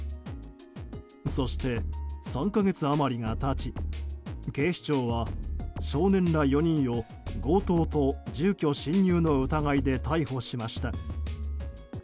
そして３か月余りが経ち警視庁は少年ら４人を強盗と住居侵入の疑いで逮捕しました。